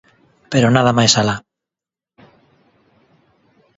Pero nada máis alá.